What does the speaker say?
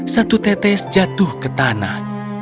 satu tetes jatuh ke tanah